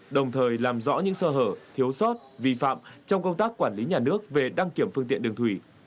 đồng thời làm rõ những sơ hở thiếu sót vi phạm trong công tác quản lý nhà nước về đăng kiểm phương tiện đường thủy